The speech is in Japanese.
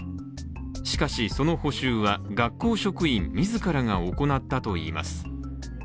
しかしその補修は、学校職員自らが行ったといいます。